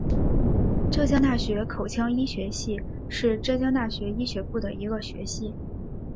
浙江大学口腔医学系是浙江大学医学部的一个学系。